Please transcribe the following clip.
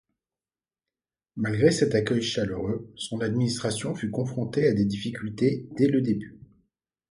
Malgré cet accueil chaleureux, son administration fut confrontée à des difficultés dès le début.